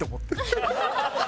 ハハハハ！